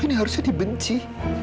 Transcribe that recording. untuk apa kamu teringat